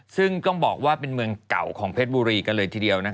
ซึ่งต้องบอกว่าเป็นเมืองเก่าของเพชรบุรีกันเลยทีเดียว